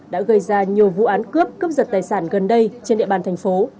đã gây ra nhiều vụ án cướp cướp giật tài sản gần đây trên địa bàn thành phố